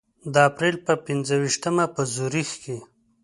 د اپریل په پنځه ویشتمه په زوریخ کې.